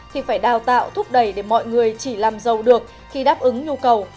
thì phải đào tạo thúc đẩy để mọi người chỉ làm giàu được khi đáp ứng nhu cầu